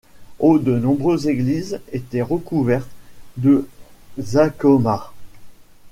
Au de nombreuses églises étaient recouvertes de zakomars.